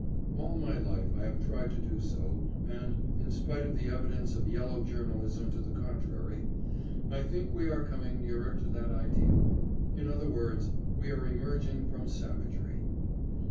All my life I have tried to do so, and, in spite of the evidence of yellow journalism to the contrary, I think we are coming nearer to that ideal; in other words, we are emerging from savagery.